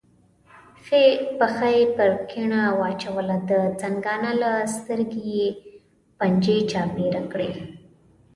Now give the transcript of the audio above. ښي پښه یې پر کیڼه واچوله، د زنګانه له سترګې یې پنجې چاپېره کړې.